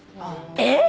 えっ！？